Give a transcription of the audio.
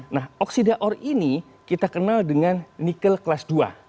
nah oksida or ini kita kenal dengan nikel kelas dua